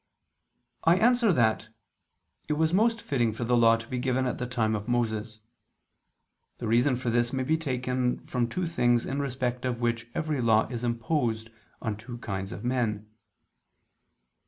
I answer that, It was most fitting for the Law to be given at the time of Moses. The reason for this may be taken from two things in respect of which every law is imposed on two kinds of men.